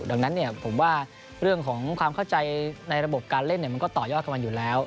ดังนั้นผมว่าเรื่องของความเข้าใจในระบบการเล่นมันก็ต่อยอดกับมันอยู่แล้ว